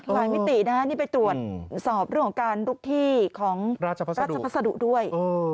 มิตินะนี่ไปตรวจสอบเรื่องของการลุกที่ของราชพัสดุด้วย